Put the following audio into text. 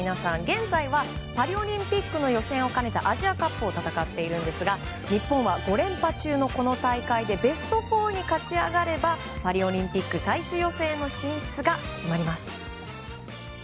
現在はパリオリンピックの予選を兼ねたアジアカップを戦っているんですが日本は５連覇中のこの大会でベスト４に勝ち上がればパリオリンピック最終予選への進出が決まります。